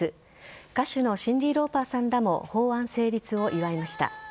歌手のシンディ・ローパーさんらも法案成立を祝いました。